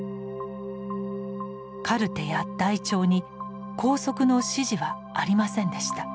カルテや台帳に拘束の指示はありませんでした。